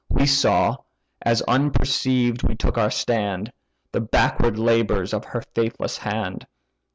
We saw, as unperceived we took our stand, The backward labours of her faithless hand.